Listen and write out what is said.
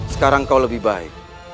sekarang kau lebih baik